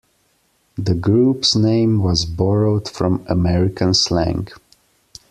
The group's name was borrowed from American slang.